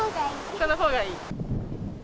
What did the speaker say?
このほうがいい。